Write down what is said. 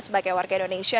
sebagai warga indonesia